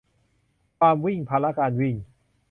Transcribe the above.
'ความวิ่ง' ภาวะการวิ่ง